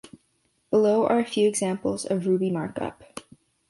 Below are a few examples of ruby markup.